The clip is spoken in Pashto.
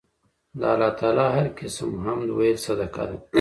د الله تعالی هر قِسم حمد ويل صدقه ده